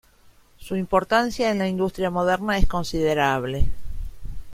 Su importancia en la industria moderna es considerable.